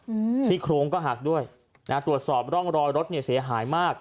อืมซี่โครงก็หักด้วยนะฮะตรวจสอบร่องรอยรถเนี้ยเสียหายมาก